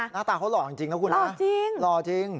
หน้าตาเขาหล่อจริงนะครับคุณหล่อจริง